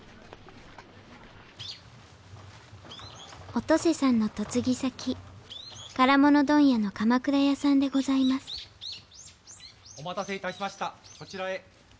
お登世さんの嫁ぎ先唐物問屋の鎌倉屋さんでございますお待たせいたしましたこちらへ。